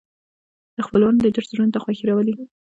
د خپلوانو لیدل زړونو ته خوښي راولي